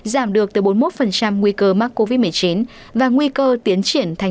giảm được từ bốn mươi một nguy cơ mắc covid một mươi chín và nguy cơ tiến triển thành bệnh nhân